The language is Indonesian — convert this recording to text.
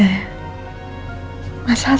hai mas aslam